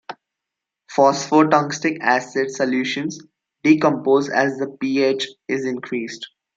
Phosphotungstic acid solutions decompose as the pH is increased.